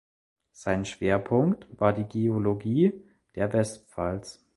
Sein Schwerpunkt war die Geologie der Westpfalz.